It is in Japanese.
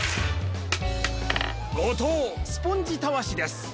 ５とうスポンジたわしです。